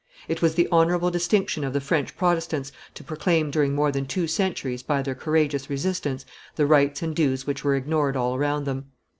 It was the honorable distinction of the French Protestants to proclaim during more than two centuries, by their courageous resistance, the rights and duties which were ignored all around them.